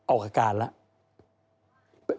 ออกอาการแล้ว